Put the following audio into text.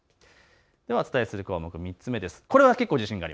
お伝えする項目、３つ目です。